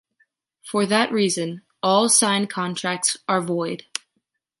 For that reason, all signed contracts are void.